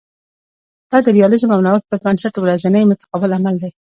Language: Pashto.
دا د ریالیزم او نوښت پر بنسټ ورځنی متقابل عمل دی